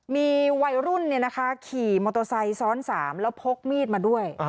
มีวัยรุ่นขี่มอเตอร์ไซค์ซ้อน๓แล้วพกมีดมาด้วย